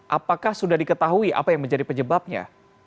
apakah sudah diketahui apa yang menjadi penyebabnya